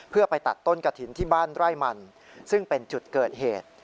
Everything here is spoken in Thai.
เพื่อไปตัดต้นกระถิ่นที่บ้านไร่มันซึ่งเป็นจุดเกิดเหตุ